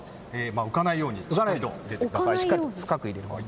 浮かないようにしっかりと入れてください。